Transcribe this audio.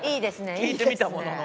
聞いてみたものの。